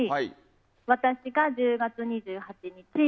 私が１０月２８日。